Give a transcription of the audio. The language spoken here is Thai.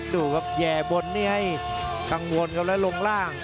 ดูครับแย่บนนี่ให้กังวลครับแล้วลงล่าง